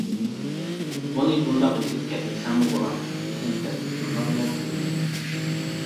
بۇنى بۇنداق يېزىپ كەتمىسەممۇ بولاتتى، لېكىن تەستىقلىنارمۇ بىلمەيمەن.